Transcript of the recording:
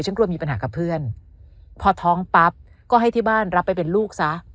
กลัวมีปัญหากับเพื่อนพอท้องปั๊บก็ให้ที่บ้านรับไปเป็นลูกซะ